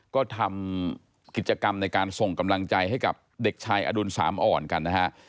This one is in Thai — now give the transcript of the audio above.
ก็ทำกิจกรรมในการส่งกำลังใจให้กับเด็กชายอดุลสามอ่อนกันนะฮะ